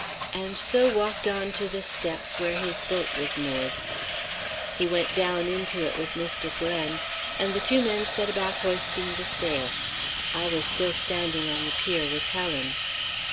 and so walked on to the steps where his boat was moored. He went down into it with Mr. Glen, and the two men set about hoisting the sail. I was still standing on the pier with Helen.